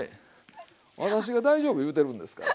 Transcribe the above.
私が大丈夫言うてるんですから。